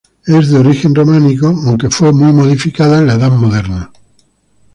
Es de origen románico, aunque fue muy modificada en la edad moderna.